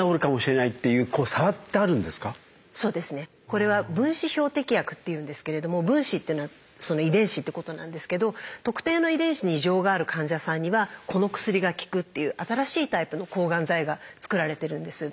これは「分子標的薬」っていうんですけれども分子っていうのはその遺伝子ってことなんですけど特定の遺伝子に異常がある患者さんにはこの薬が効くっていう新しいタイプの抗がん剤がつくられてるんです。